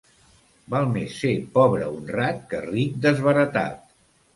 Val més ser pobre honrat que ric desbaratat.